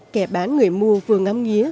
kẻ bán người mua vừa ngắm nghiến